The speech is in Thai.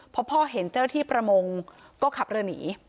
เพราะพ่อเห็นเจ้าที่ประมงก็ขับเรือนี่